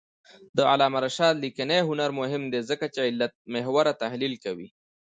د علامه رشاد لیکنی هنر مهم دی ځکه چې علتمحوره تحلیل کوي.